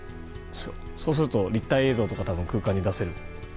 そうすると立体映像とかが空間に出せる。